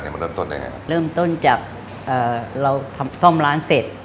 มันเริ่มต้นเลยฮะเริ่มต้นจากเอ่อเราทำซ่อมร้านเสร็จ